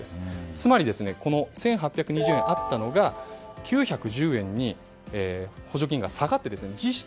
つまり１８２０円あったのが９１０円に補助金が下がって実質